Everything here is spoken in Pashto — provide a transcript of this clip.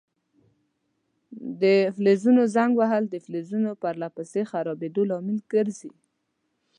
د فلزونو زنګ وهل د فلزونو پر له پسې خرابیدو لامل ګرځي.